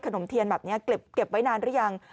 นมเทียนแบบนี้เก็บไว้นานหรือยัง